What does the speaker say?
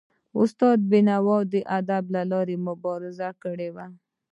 استاد بینوا د ادب له لاري مبارزه وکړه.